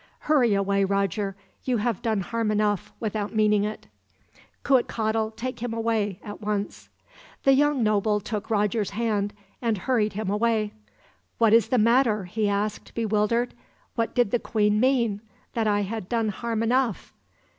"Hurry away, Roger. You have done harm enough, without meaning it. "Cuitcatl, take him away, at once." The young noble took Roger's hand, and hurried him away. "What is the matter?" he asked, bewildered. "What did the queen mean that I had done harm enough?"